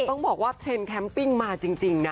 ต้องบอกว่าเทรนด์แคมปิ้งมาจริงนะ